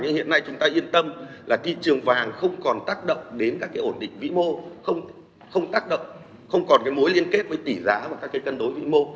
nhưng hiện nay chúng ta yên tâm là thị trường vàng không còn tác động đến các cái ổn định vĩ mô không tác động không còn cái mối liên kết với tỷ giá và các cái cân đối vĩ mô